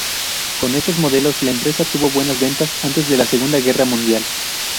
Con estos modelos, la empresa tuvo buenas ventas antes de la Segunda Guerra Mundial.